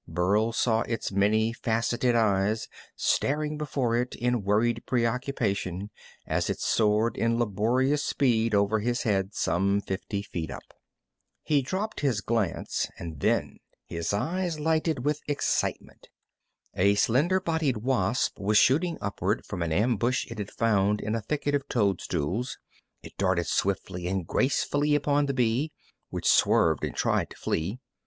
Burl saw its many faceted eyes staring before it in worried preoccupation as it soared in laborious speed over his head, some fifty feet up. He dropped his glance, and then his eyes lighted with excitement. A slender bodied wasp was shooting upward from an ambush it had found in a thicket of toadstools. It darted swiftly and gracefully upon the bee, which swerved and tried to flee.